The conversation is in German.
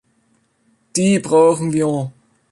Die brauchen wir!